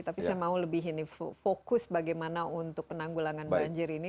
tapi saya mau lebih ini fokus bagaimana untuk penanggulangan banjir ini